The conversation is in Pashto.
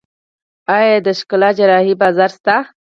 آیا د ښکلا جراحي بازار شته؟